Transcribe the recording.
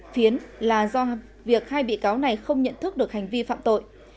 phiến là do việc hai bị cáo này không nhận thức được hành vi